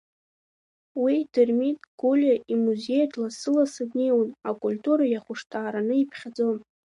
Уи Дырмит Гулиа имузеиаҿ лассы-лассы днеиуан, акультура иахәышҭаараны иԥхьаӡон.